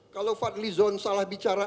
kalau fadlizon salah bicara